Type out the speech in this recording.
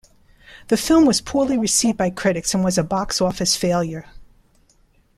The film was poorly received by critics and was a box office failure.